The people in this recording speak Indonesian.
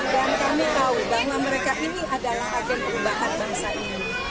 dan kami tahu bahwa mereka ini adalah agen perubahan bangsa ini